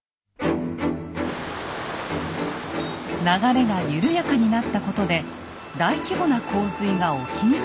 流れが緩やかになったことで大規模な洪水が起きにくくなりました。